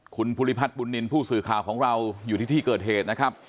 คุณภูริพัฒน์บุญนินทร์ผู้สื่อข่าวของเราอยู่ที่ที่เกิดเหตุนะครับ